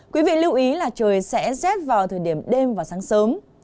quý vị lưu ý là trời sẽ rét vào thời điểm đêm và sáng sớm